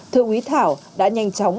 thượng quý thảo đã nhanh chóng